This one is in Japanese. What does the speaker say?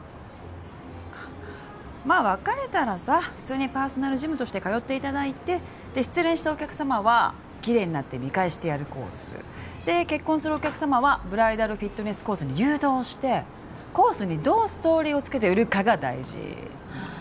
まあ別れたらさ普通にパーソナルジムとして通っていただいてで失恋したお客様はきれいになって見返してやるコースで結婚するお客様はブライダルフィットネスコースに誘導してコースにどうストーリーをつけて売るかが大事あ